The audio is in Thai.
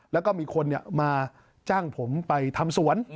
แล้วก็มีคนมาจ้างผมไปทำสวน